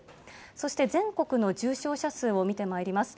そして全国の重症者数を見てまいります。